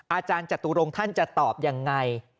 อาจารย์จตุรงค์ท่านจะตอบยังไง